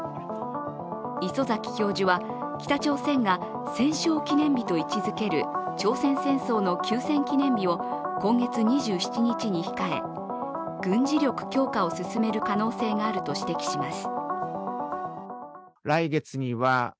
礒崎教授は北朝鮮が戦勝記念日と位置づける朝鮮戦争の休戦記念日を今月２７日に控え軍事力強化を進める可能性があると指摘します。